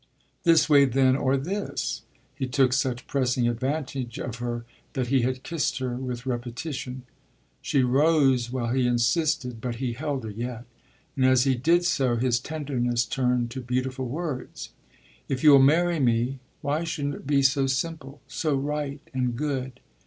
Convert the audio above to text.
"This way then or this!" He took such pressing advantage of her that he had kissed her with repetition. She rose while he insisted, but he held her yet, and as he did so his tenderness turned to beautiful words. "If you'll marry me, why shouldn't it be so simple, so right and good?"